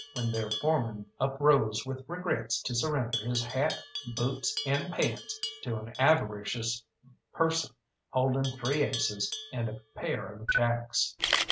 when their foreman uprose with regrets to surrender his hat, boots, and pants to an avaricious person holding three aces and a pair of jacks.